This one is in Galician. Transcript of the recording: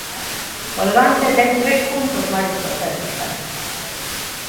O Levante ten tres puntos máis que o Celta.